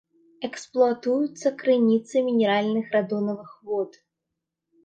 Эксплуатуюцца крыніцы мінеральных радонавых вод.